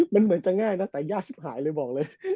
มันเหมือนจะง่ายนะแต่ญาติหายเลยบอกเลย